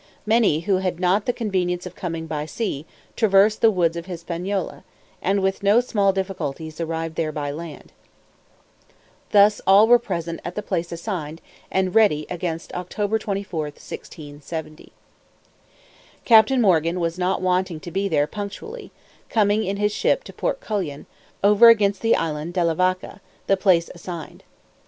Many, who had not the convenience of coming by sea, traversed the woods of Hispaniola, and with no small difficulties arrived there by land. Thus all were present at the place assigned, and ready against October 24, 1670. Captain Morgan was not wanting to be there punctually, coming in his ship to Port Couillon, over against the island De la Vaca, the place assigned.